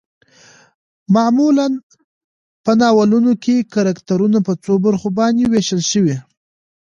معمولا په ناولونو کې کرکترنه په څو برخو باندې ويشل شوي